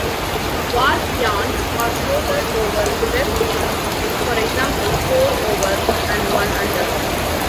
Warp yarns are floated over weft yarns, for example four over and one under.